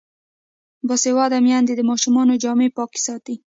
باسواده میندې د ماشومانو جامې پاکې ساتي.